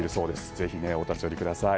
ぜひ、お立ち寄りください。